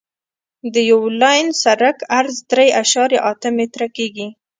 د یو لاین سرک عرض درې اعشاریه اته متره کیږي